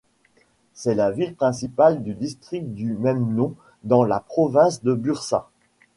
C'est la ville principale du district du même nom dans la province de Bursa.